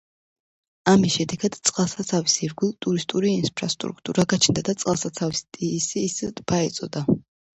ამის შედეგად წყალსაცავის ირგვლივ ტურისტული ინფრასტრუქტურა გაჩნდა და წყალსაცავს ტისის ტბა ეწოდა.